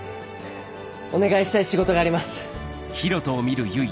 お願いしたい仕事があります。